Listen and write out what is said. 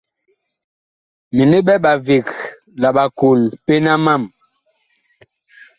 Mini ɓɛ ɓaveg la ɓakol pena mam.